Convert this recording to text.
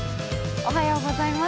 おはようございます。